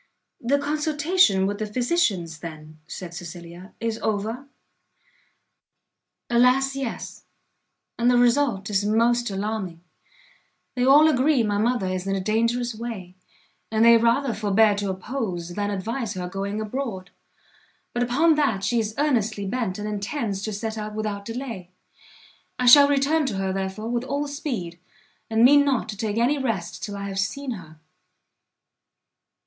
"The consultation with the physicians, then," said Cecilia, "is over?" "Alas, yes; and the result is most alarming; they all agree my mother is in a dangerous way, and they rather forbear to oppose, than advise her going abroad: but upon that she is earnestly bent, and intends to set out without delay. I shall return to her, therefore, with all speed, and mean not to take any rest till I have seen her."